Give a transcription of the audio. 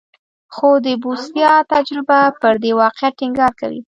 خو د بوسیا تجربه پر دې واقعیت ټینګار کوي.